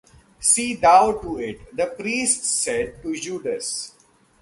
"See thou to it", the priests said to Judas.